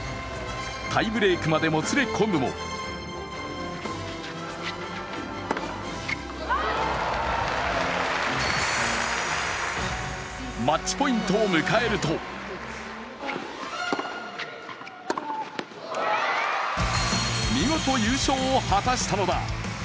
タイブレークまでもつれ込むもマッチポイントを迎えると見事優勝を果たしたのだ。